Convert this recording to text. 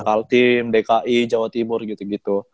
kaltim dki jawa timur gitu gitu